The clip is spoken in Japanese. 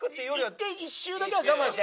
１回１周だけは我慢して。